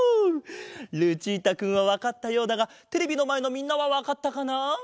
ルチータくんはわかったようだがテレビのまえのみんなはわかったかな？